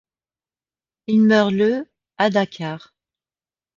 Il meurt le à Dakar.